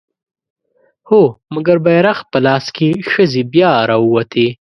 هو! مګر بيرغ په لاس که ښځې بيا راووتې